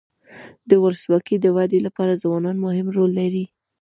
د ولسواکۍ د ودي لپاره ځوانان مهم رول لري.